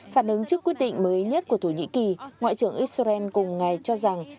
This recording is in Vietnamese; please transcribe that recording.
phản ứng trước quyết định mới nhất của thổ nhĩ kỳ ngoại trưởng israel cùng ngày cho rằng